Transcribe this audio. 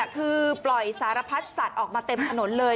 คือปล่อยสารพัดสัตว์ออกมาเต็มถนนเลย